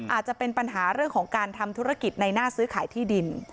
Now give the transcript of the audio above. อาจจะเป็นปัญหาเรื่องของการทำธุรกิจในหน้าซื้อขายที่ดิน